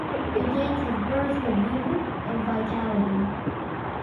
The dances burst with verve and vitality.